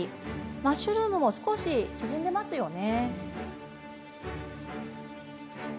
マッシュルームも少し縮んでますよね。